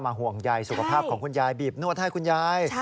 ห่วงใยสุขภาพของคุณยายบีบนวดให้คุณยาย